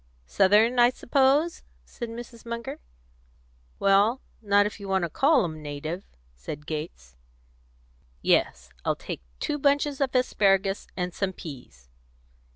"Southern, I suppose?" said Mrs. Munger. "Well, not if you want to call 'em native," said Gates. "Yes, I'll take two bunches of asparagus, and some peas."